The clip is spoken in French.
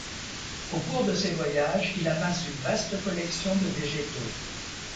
Au cours de ses voyages, il amasse une vaste collection de végétaux.